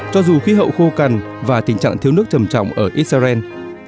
cho dù khí hậu khô cằn và tình trạng thiếu nước trầm trọng ở israel